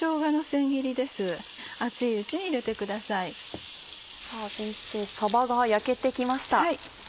先生さばが焼けて来ました。